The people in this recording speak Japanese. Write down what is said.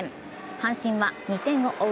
阪神は２点を追う